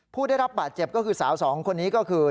ผู้ได้รับบาดเจ็บก็คือสาวสองคนนี้ก็คือ